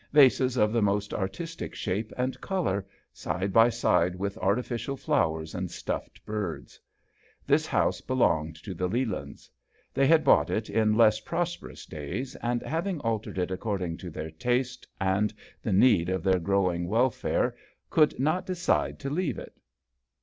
Vases of the most artistic shape and colour side by side with artificial flowers and stuffed birds. This house belonged to the Lelands. They had bought it in less prosperous days, and having altered it according to their taste and the need of their growing welfare could not decide to leave it.